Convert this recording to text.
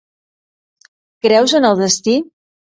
Creus en el destí?